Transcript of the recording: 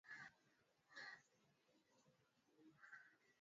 twanga na kuchekecha ili upate unga wa karanga